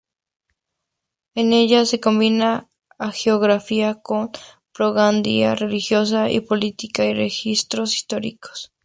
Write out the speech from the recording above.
En ella se combina hagiografía con propaganda religiosa y política, y registros históricos.